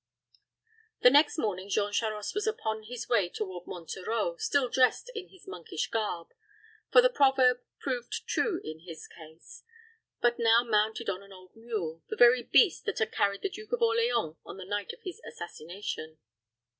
The next morning Jean Charost was upon his way toward Monterreau, still dressed in his monkish garb for the proverb proved true in his case but now mounted on an old mule, the very beast that had carried the Duke of Orleans on the night of his assassination.